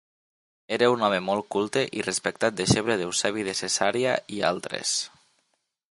Era un home molt culte i respectat deixeble d'Eusebi de Cesarea i altres.